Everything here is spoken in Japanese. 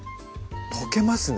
溶けますね